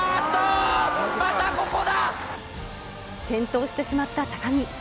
転倒してしまった高木。